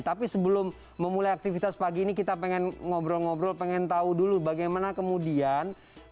tapi sebelum memulai aktivitas pagi ini kita pengen ngobrol ngobrol pengen tahu dulu bagaimana kemudian